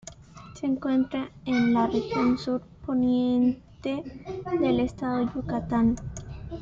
Se encuentra en la región sur poniente del estado de Yucatán.